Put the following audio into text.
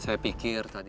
saya pikir tadi